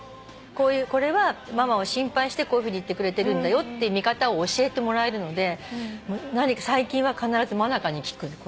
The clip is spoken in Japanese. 「これはママを心配してこういうふうに言ってくれてる」って見方を教えてもらえるので最近は必ず真香に聞く。